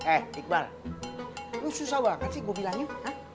eh iqbal lu susah banget sih gue bilangin